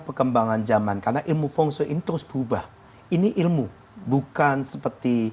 perkembangan zaman karena ilmu feng shui ini terus berubah ini ilmu bukan seperti